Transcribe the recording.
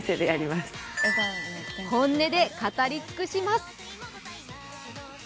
本音で語り尽くします。